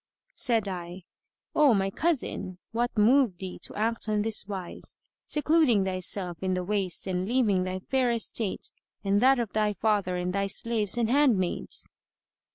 Said I, "O my cousin, what moved thee to act on this wise, secluding thyself in the waste and leaving thy fair estate and that of thy father and thy slaves and handmaids?"